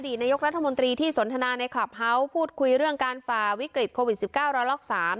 นายกรัฐมนตรีที่สนทนาในคลับเฮาส์พูดคุยเรื่องการฝ่าวิกฤตโควิด๑๙ระลอก๓